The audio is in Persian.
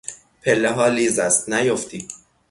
پلهها لیز است نیافتی!